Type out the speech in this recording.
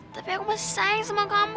tapi aku masih sayang sama kamu